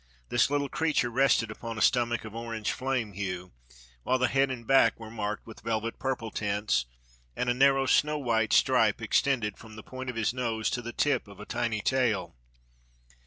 This little creature rested upon a stomach of orange flame hue, while the head and back were marked with velvet purple tints, and a narrow snow white stripe extended from the point of his nose to the tip of a tiny tail.